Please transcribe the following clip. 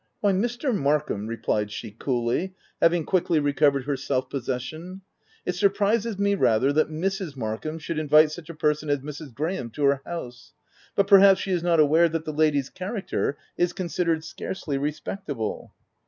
" Why Mr. Markham," replied she coolly, having quickly recovered her self possession, "it surprises me rather that Mrs. Markham should invite such a person as Mrs. Graham to her house ; but, perhaps, she is not aware that the lady's character is considered scarcely re spectable.